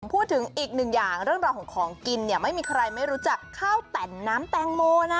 พูดถึงอีกหนึ่งอย่างเรื่องราวของของกินเนี่ยไม่มีใครไม่รู้จักข้าวแต่นน้ำแตงโมนะ